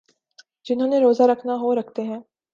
جنہوں نے روزہ رکھنا ہو رکھتے ہیں۔